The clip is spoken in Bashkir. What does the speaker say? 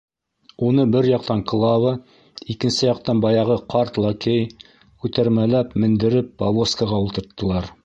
Уны бер яҡтан Клава, икенсе яҡтан баяғы ҡарт лакей күтәрмәләп мендереп повозкаға ултырттылар.